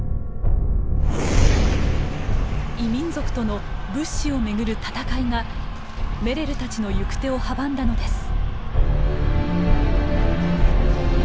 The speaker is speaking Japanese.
異民族との物資をめぐる戦いがメレルたちの行く手を阻んだのです。